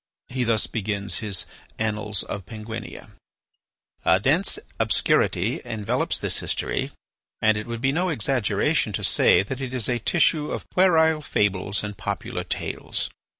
He thus begins his "Annals of Penguinia": "A dense obscurity envelopes this history, and it would be no exaggeration to say that it is a tissue of puerile fables and popular tales.